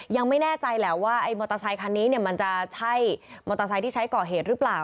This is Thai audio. ยังไม่แน่ใจแหละว่าไอ้มอเตอร์ไซคันนี้มันจะใช่มอเตอร์ไซค์ที่ใช้ก่อเหตุหรือเปล่า